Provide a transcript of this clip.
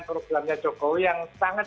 programnya jokowi yang sangat